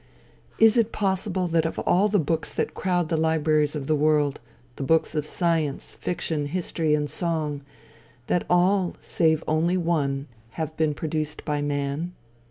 Is it possible that of all the books that crowd the libraries of the world, the books of science, fiction, history and song, that all save only one, have been produced by man?